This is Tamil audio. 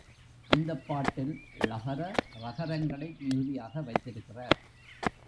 இந்தப் பாட்டில் ழகர, றகரங்களை மிகுதியாக வைத்திருக்கிறார்.